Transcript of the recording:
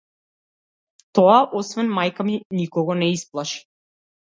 Тоа освен мајка ми никого не исплаши.